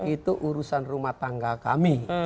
itu urusan rumah tangga kami